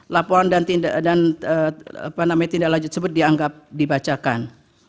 laporan dan tindaklanjuti tersebut dianggap dibacakan